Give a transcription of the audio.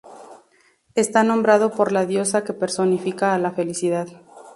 Está nombrado por la diosa que personifica a la felicidad.